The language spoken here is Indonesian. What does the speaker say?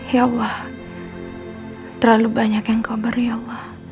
ya allah terlalu banyak yang kau beri allah